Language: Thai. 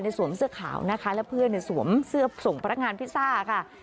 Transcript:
สวมเสื้อขาวนะคะและเพื่อนสวมเสื้อส่งพนักงานพิซซ่าค่ะ